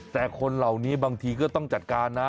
แต่คนเหล่านี้บางทีก็ต้องจัดการนะ